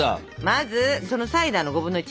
まずそのサイダーの５分の１。